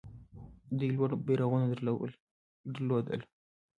دوی لوړ بیرغونه درلودل